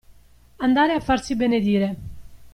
Andare a farsi benedire.